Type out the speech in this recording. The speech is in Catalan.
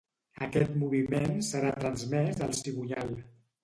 Aquest moviment serà transmès al cigonyal.